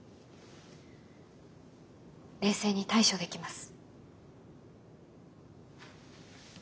冷静に対処できます。